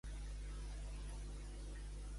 Per quin tema pregunta a Sánchez si estarà a favor?